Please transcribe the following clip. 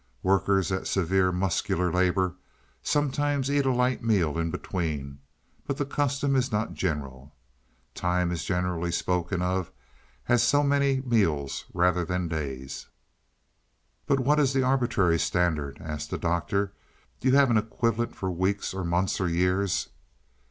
Workers at severe muscular labor sometimes eat a light meal in between, but the custom is not general. Time is generally spoken of as so many meals, rather than days." "But what is the arbitrary standard?" asked the Doctor. "Do you have an equivalent for weeks, or months or years?"